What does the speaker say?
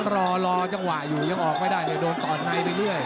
รอรอจังหวะอยู่ยังออกไม่ได้เลยโดนต่อในไปเรื่อย